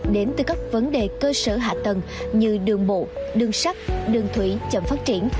đến từ các vấn đề cơ sở hạ tầng như đường bộ đường sắt đường thủy chậm phát triển